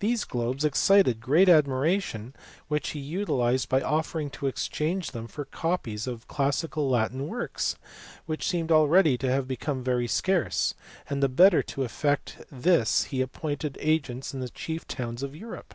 These globes excited great admiration which he utilized by offering to exchange them for copies of classical Latin works, which seem already to have become very scarce ; and the better to effect this he appointed agents in the chief towns of Europe.